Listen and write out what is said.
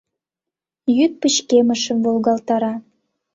Йӱд пычкемышым волгалта.